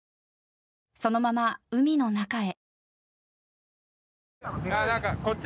そのまま海の中へ。